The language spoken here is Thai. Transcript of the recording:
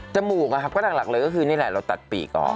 มูกนะครับก็หลักเลยก็คือนี่แหละเราตัดปีกออก